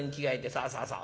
そうそうそう。